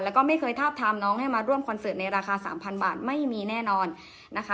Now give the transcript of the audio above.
แล้วก็ไม่เคยทาบทามน้องให้มาร่วมคอนเสิร์ตในราคาสามพันบาทไม่มีแน่นอนนะคะ